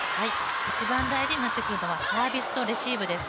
一番大事になってくるのはサービスとレシーブです。